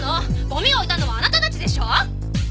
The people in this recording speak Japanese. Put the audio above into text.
ゴミを置いたのはあなたたちでしょ！